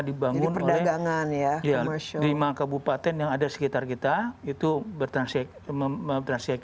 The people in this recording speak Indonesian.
dibangun oleh perdagangan ya komersial di lima kabupaten yang ada sekitar kita itu bertransaksi